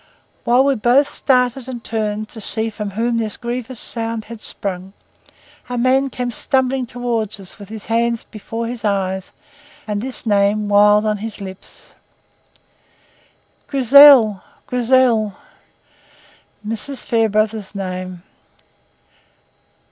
While we both started and turned to see from whom this grievous sound had sprung, a man came stumbling toward us with his hands before his eyes and this name wild on his lips: "Grizel! Grizel!" Mrs. Fairbrother's name!